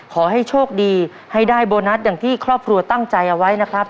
ขอให้โชคดีให้ได้โบนัสอย่างที่ครอบครัวตั้งใจเอาไว้นะครับ